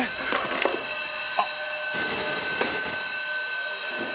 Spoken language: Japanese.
あっ。